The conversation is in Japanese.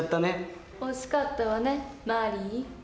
惜しかったわねマリー。